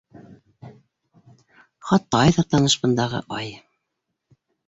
Хатта ай ҙа таныш, бындағы ай.